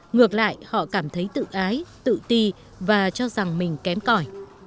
ngược lại họ cảm thấy tự ái tự ti và cho rằng mình kém cõi